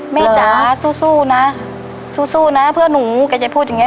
ไม่จ๋าสู้นะสู้นะเพื่อนหนูกายจะพูดอย่างเงี้ย